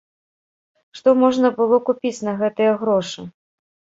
Што можна было купіць на гэтыя грошы?